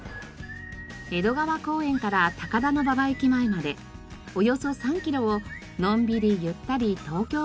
江戸川公園から高田馬場駅前までおよそ３キロをのんびりゆったりトーキョーウォーキング。